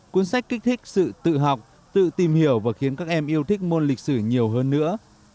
cuốn sách kích thích sự tự học tự tìm hiểu và khiến các em yêu thích môn lịch sử nhiều hơn nữa